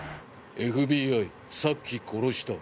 ＦＢＩさっき殺した。